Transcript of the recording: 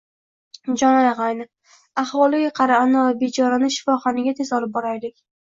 — Jon og’ayni, ahvoliga qara anavi bechorani shifoxonaga, tez olib boraylik.